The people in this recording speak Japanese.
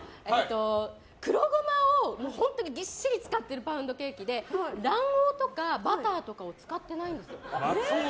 黒ごまを本当にぎっしり使っているパウンドケーキで卵黄とかバターとかを使ってないんですよ。